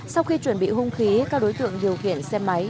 sau khi chuẩn bị hung khí các đối tượng điều khiển xe máy